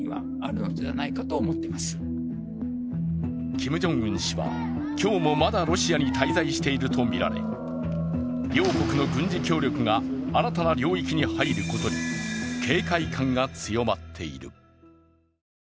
キム・ジョンウン氏は今日もまだロシアに滞在しているとみられ両国の軍事協力が新たな領域に入ることに警戒感が強まっている。